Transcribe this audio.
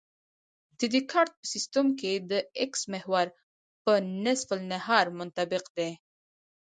د دیکارت په سیستم کې د اکس محور په نصف النهار منطبق دی